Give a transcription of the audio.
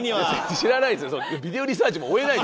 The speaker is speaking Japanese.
知らないですよ。